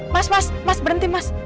mas mas mas berhenti mas